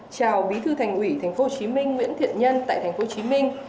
chào bí thư thành ủy tp hcm nguyễn thiện nhân tại tp hcm